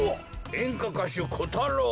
えんかかしゅコタロウ！